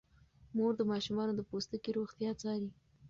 مور د ماشومانو د پوستکي روغتیا څاري.